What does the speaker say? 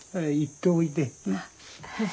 はい。